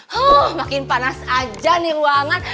hmm makin panas aja nih ruangan